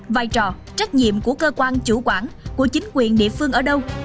vai trò trách nhiệm của cơ quan chủ quản của chính quyền địa phương ở đâu